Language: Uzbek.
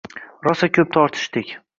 Rosa ko’p tortishdik…